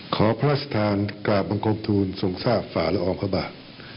ขอพระราชทานกราบบังคมทูลทรงทราบฝ่าละอองพระบาท